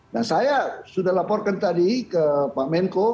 nah saya sudah laporkan tadi ke pak menko